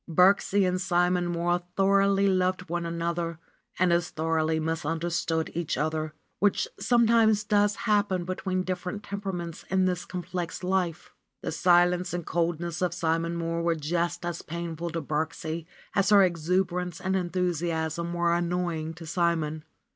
Birksie and Simon Mohr thoroughly loved one an 108 RENUNCIATION OF FRA SIMONETTA other and as thoroughly misunderstood each other, which sometimes does happen between different temperaments in this complex life. The silence and coldness of Simon Mohr were just as painful to Birksie as her exuberance and enthusiasm were annoying to Simon.